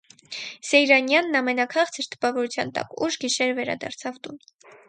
Սեյրանյանն ամենաքաղցր տպավորության տակ ուշ գիշերը վերադարձավ տուն: